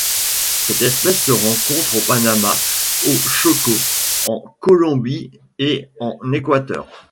Cette espèce se rencontre au Panama, au Chocó en Colombie et en Équateur.